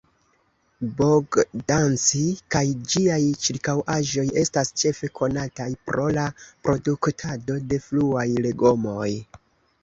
Bogdanci kaj ĝiaj ĉirkaŭaĵoj estas ĉefe konataj pro la produktado de fruaj legomoj.